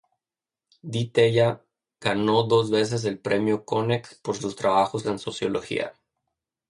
Di Tella, ganó dos veces el premio Konex por sus trabajos en Sociología.